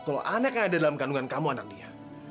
kalau anak yang ada dalam kandungan kamu anak dia